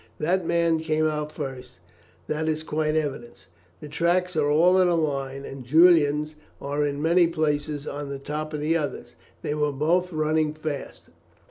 That man came out first; that is quite evident. The tracks are all in a line, and Julian's are in many places on the top of the other's. They were both running fast.